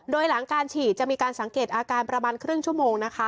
โดยหลังการฉีดจะมีการสังเกตอาการประมาณครึ่งชั่วโมงนะคะ